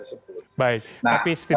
untuk kondisi kendaraan tersebut